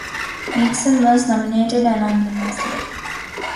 Nixon was nominated unanimously.